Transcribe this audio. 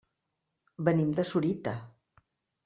Venim de Sorita.